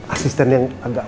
asisten yang agak